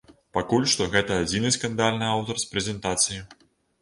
Пакуль што гэта адзіны скандальны аўтар з прэзентацыі.